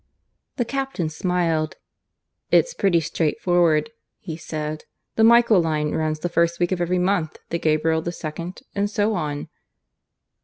The captain smiled. "It's pretty straightforward," he said. "The Michael line runs the first week of every month; the Gabriel the second, and so on."